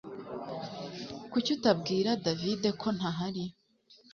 kuki utabwira davide ko ntahari